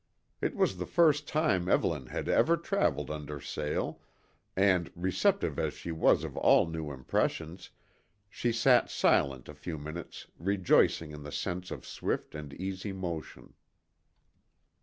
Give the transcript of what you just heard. It was the first time Evelyn had ever travelled under sail and, receptive as she was of all new impressions, she sat silent a few minutes rejoicing in the sense of swift and easy motion.